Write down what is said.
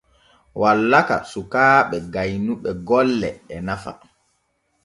Wallaka suukaaɓe gaynuɓe golle e nafa.